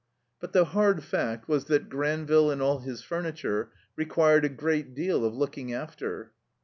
But the hard fact was that Granville and all his furniture required a great deal of looking after.